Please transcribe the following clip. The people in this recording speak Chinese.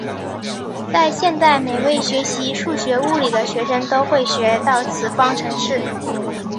在现代每位学习数学物理的学生都会学到此方程式。